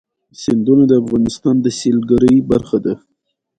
سیندونه د افغانستان د سیلګرۍ برخه ده.